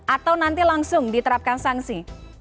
atau nanti langsung diterapkan sanksi